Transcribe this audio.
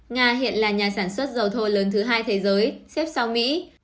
nga hiện là nhà sản xuất dầu thô lớn thứ hai thế giới xếp sau mỹ